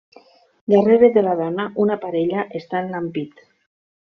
Darrere de la dona, una parella està en l'ampit.